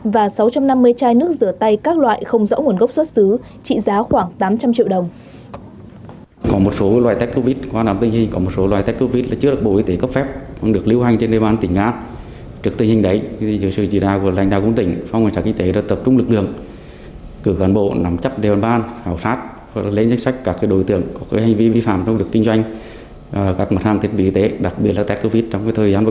và sáu trăm năm mươi chai nước rửa tay các loại không rõ nguồn gốc xuất xứ trị giá khoảng tám trăm linh triệu đồng